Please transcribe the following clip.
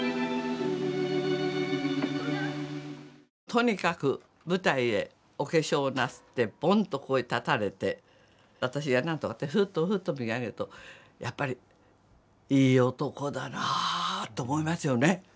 とにかく舞台へお化粧なすってぼんとここへ立たれて私が何とかってふっとふっと見上げるとやっぱり「いい男だなあ」と思いますよね。